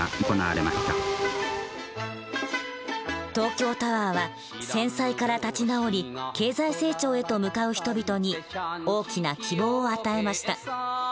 東京タワーは戦災から立ち直り経済成長へと向かう人々に大きな希望を与えました。